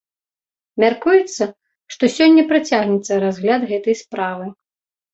Мяркуецца, што сёння працягнецца разгляд гэтай справы.